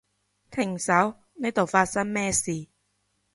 停手，呢度發生咩事？